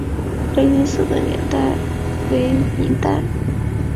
雷音寺的历史年代为明代。